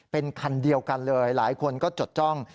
เป็นคันเดียวกันเลยหลายคนก็จดจ้อง